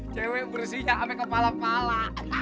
cewe bersihnya sama kepala pala